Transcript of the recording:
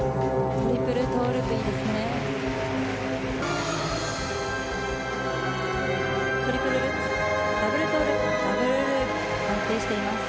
トリプルトゥループいいですね。